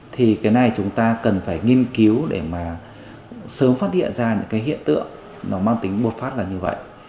thì cái này chúng ta cần phải nghiên cứu để mà sớm phát hiện ra những cái hiện tượng nó mang tính bột phát là như vậy